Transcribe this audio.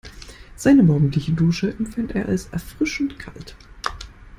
Seine morgendliche Dusche empfand er als erfrischend kalt.